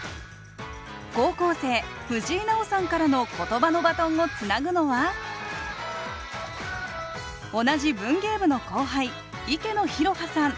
高校生藤井渚央さんからの言葉のバトンをつなぐのは同じ文芸部の後輩池野弘葉さん